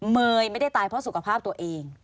เมย์ไม่ได้ตายเพราะสุขภาพตัวเอง